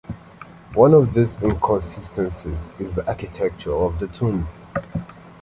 One of these inconsistencies is the architecture of the tomb.